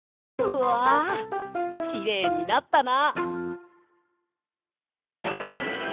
うわきれいになったな！